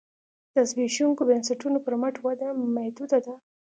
د زبېښونکو بنسټونو پر مټ وده محدوده ده